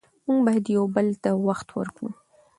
موږ باید یو بل ته وخت ورکړو